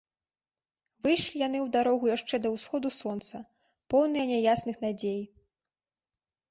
Выйшлі яны ў дарогу яшчэ да ўсходу сонца, поўныя няясных надзей.